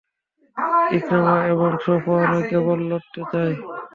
ইকরামা এবং সফওয়ানই কেবল লড়তে চায়।